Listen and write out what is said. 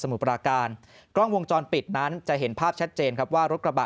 ปราการกล้องวงจรปิดนั้นจะเห็นภาพชัดเจนครับว่ารถกระบะ